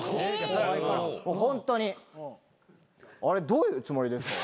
どういうつもりですか？